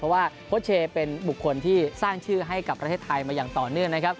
เฟร์อนด์โฮตเชเป็นบุคคลที่สร้างชื่อให้กับประเทศไทยต่อเนื่อง